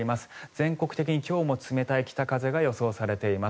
全国的に今日も冷たい北風が予想されています。